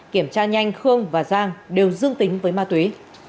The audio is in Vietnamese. kiểm tra nhanh khương và giang đều dương tính với ma túy